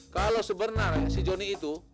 kalau sebenarnya si joni itu